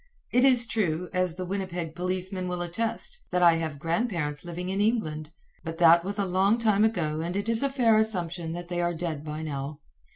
It is true, as the Winnipeg policemen will attest, that I have grandparents living in England; but that was a long time ago and it is a fair assumption that they are dead by now.